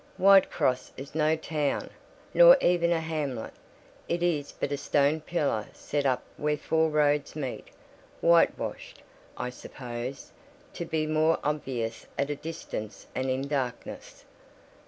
Whitcross is no town, nor even a hamlet; it is but a stone pillar set up where four roads meet: whitewashed, I suppose, to be more obvious at a distance and in darkness.